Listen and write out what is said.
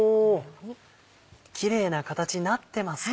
キレイな形なってますね。